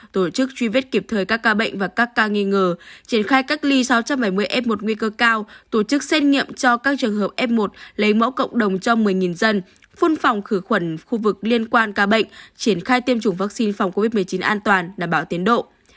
tổ chức truy vết kịp thời các ca bệnh và các ca nghi ngờ triển khai cách ly sáu trăm bảy mươi f một nguy cơ cao tổ chức xét nghiệm cho các trường hợp f một lấy mẫu cộng đồng cho một mươi dân phun phòng khử khuẩn khu vực liên quan ca bệnh triển khai tiêm chủng vaccine phòng covid một mươi chín an toàn đảm bảo tiến độ